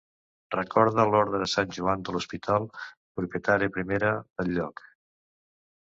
Recorda l'Orde de Sant Joan de l'Hospital, propietària primera del lloc.